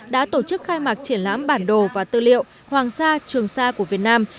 đã tổ chức khai mạc triển lãm bản đồ và tư liệu hoàng sa trường sa của việt nam